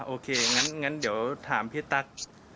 โอเคงั้นเดี๋ยวถามพี่ตั๊ก